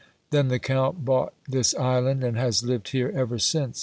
Then the Count bought this island and has lived here ever since.